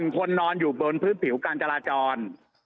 คนนอนอยู่บนพื้นผิวการจราจร